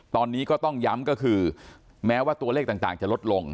ตอนนี้ก็ต้องย้ำก็คือแม้ว่าตัวเลขต่างจะลดลง